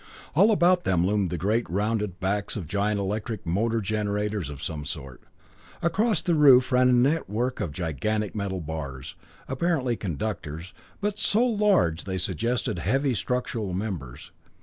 All about them loomed the great rounded backs of giant electric motor generators of some sort. Across the roof ran a network of gigantic metal bars, apparently conductors, but so large that they suggested heavy structural members.